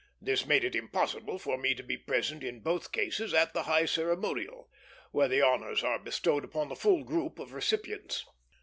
This made it impossible for me to be present in both cases at the high ceremonial, where the honors are bestowed upon the full group of recipients.